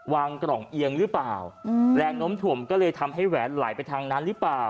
วางกล่องเอียงหรือเปล่าแรงน้มถ่วมก็เลยทำให้แหวนไหลไปทางนั้นหรือเปล่า